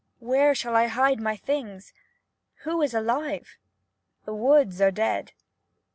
Where shall I hide my things? Who is alive? The woods are dead.